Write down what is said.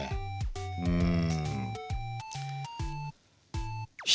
うん。